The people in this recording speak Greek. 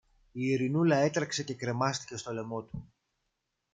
η Ειρηνούλα έτρεξε και κρεμάστηκε στο λαιμό του